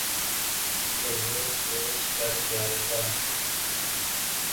تو وہ کوچ کر جائے گا۔